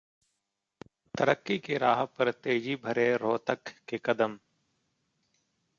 तरक्की की राह पर तेजी भरे रोहतक के कदम